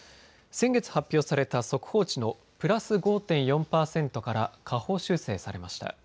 先月発表された速報値のプラス５．４％から下方修正されました。